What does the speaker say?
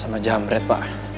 sama jahamret pak